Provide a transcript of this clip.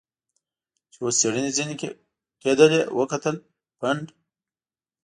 چې اوس څېړنې ځنې کېدلې وکتل، پنډ.